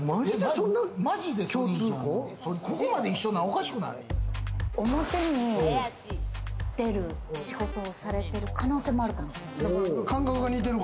ここまで一緒なのおかしくな表に出る仕事をされている可能性もあるかもしれない。